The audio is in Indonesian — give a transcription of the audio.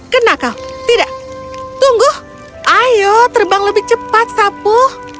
kena kau tidak tunggu ayo terbang lebih cepat sapu